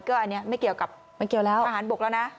ก็อันนี้ไม่เกี่ยวกับอาหารบกแล้วนะ